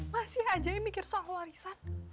masih aja yang mikir soal warisan